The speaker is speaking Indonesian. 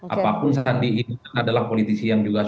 apapun sandi ini adalah politisi yang juga sukses